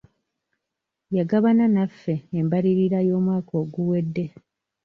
Yagabana naffe embalirira y'omwaka oguwedde.